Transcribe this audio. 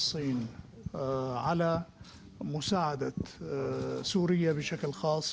untuk membantu suria secara khas